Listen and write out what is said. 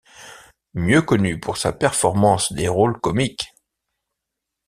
Mieux connu pour sa performance des rôles comiques.